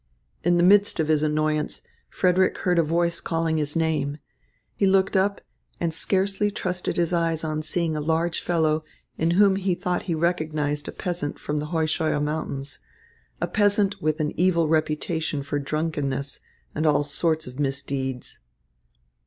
In the midst of his annoyance Frederick heard a voice calling his name. He looked up and scarcely trusted his eyes on seeing a large fellow in whom he thought he recognised a peasant from the Heuscheuer Mountains, a peasant with an evil reputation for drunkenness and all sorts of misdeeds.